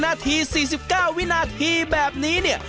นาที๔๙วินาทีแบบนี้เนี่ย